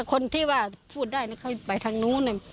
คนที่ว่าพูดได้เข้าไปทางนู้น